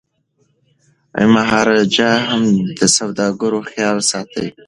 مهاراجا هم د سوداګرو خیال ساتي.